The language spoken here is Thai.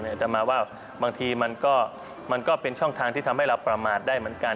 อาจจะมาว่าบางทีมันก็เป็นช่องทางที่ทำให้เราประมาทได้เหมือนกัน